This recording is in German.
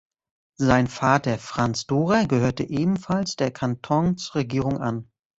Sein Vater Franz Dorer gehörte ebenfalls der Kantonsregierung an.